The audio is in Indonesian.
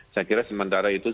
saya kira sementara itu